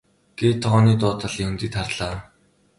гээд тогооны доод талын хөндийд харлаа.